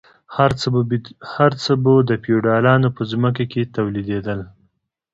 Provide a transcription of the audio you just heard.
هر څه به د فیوډالانو په ځمکو کې تولیدیدل.